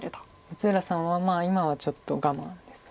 六浦さんは今はちょっと我慢です。